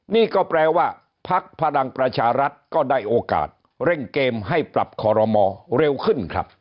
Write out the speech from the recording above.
นี่ก็แปลว่าพักพลังประชารัฐก็ได้โอกาสเร่งเกมให้ปรับคอรมอเร็วขึ้นครับ